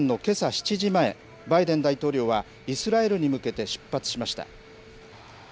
７時前、バイデン大統領はイスラエルに向けて出発しました。